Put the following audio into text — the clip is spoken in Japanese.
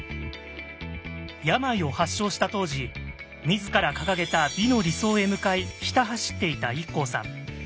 病を発症した当時自ら掲げた美の理想へ向かいひた走っていたＩＫＫＯさん。